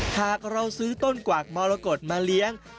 หากเราซื้อต้นกวากมรกฏมาเลี้ยง